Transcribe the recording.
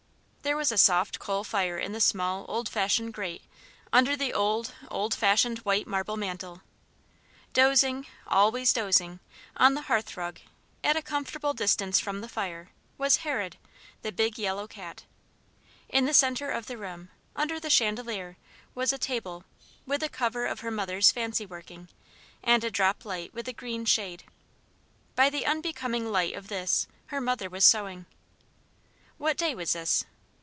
There was a soft coal fire in the small, old fashioned grate under the old, old fashioned white marble mantel. Dozing always dozing on the hearth rug, at a comfortable distance from the fire, was Herod, the big yellow cat. In the centre of the room, under the chandelier, was a table, with a cover of her mother's fancy working, and a drop light with a green shade. By the unbecoming light of this, her mother was sewing. What day was this?